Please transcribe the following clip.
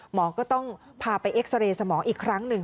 หมอก็ต้องพาไปเอ็กซาเรย์สมองอีกครั้งหนึ่ง